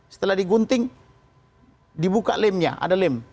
setelah digunting dibuka lemnya ada lem